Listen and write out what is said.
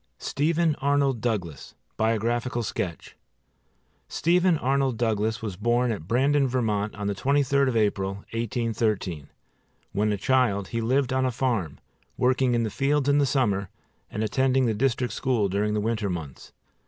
STEPHEN ARNOLD DOUGLAS BIOGRAPHICAL SKETCH STEPHEN ARNOLD DOUGLAS was born at Brandon, Vermont, on the 23d of April, 1813. When a child he lived on a farm, working in the fields in the summer and attending the district school during the winter months.